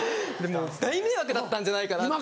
大迷惑だったんじゃないかなって。